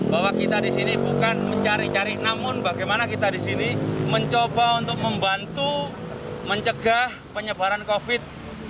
bahwa kita di sini bukan mencari cari namun bagaimana kita di sini mencoba untuk membantu mencegah penyebaran covid